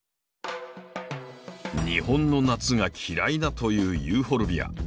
日本の夏が嫌いだというユーフォルビア。